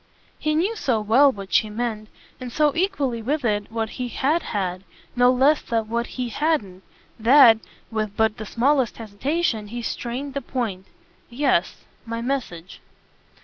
He knew so well what she meant, and so equally with it what he "HAD had" no less than what he hadn't, that, with but the smallest hesitation, he strained the point. "Yes my message."